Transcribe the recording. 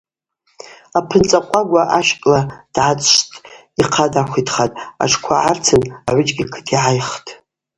Апынцӏа къвагва ащкӏла дгӏацӏшвттӏ, йхъа дахвитхатӏ, атшква гӏарцын агӏвыджьгьи акыт йгӏайхтӏ.